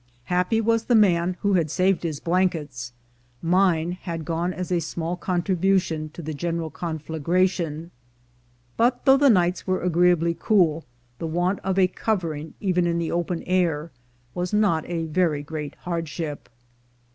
Happy was the man who had saved his blankets, — mine had gone as a small con tribution to the general conflagration; but though the nights were agreeably cool, the want of a covering, even in the open air, was not a very great hardship.